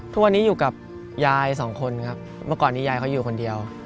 ทุกวันนี้อยู่กับยายสองคนครับเมื่อก่อนนี้ยายเขาอยู่คนเดียว